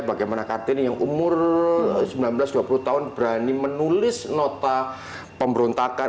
bagaimana kartini yang umur sembilan belas dua puluh tahun berani menulis nota pemberontakan